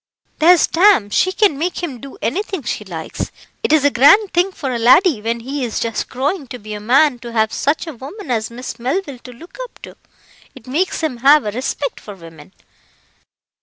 There's Tam, she can make him do anything she likes. It is a grand thing for a laddie when he is just growing to be a man to have such a woman as Miss Melville to look up to it makes him have a respect for women."